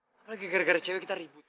kal lagi gara gara cewek kita ribut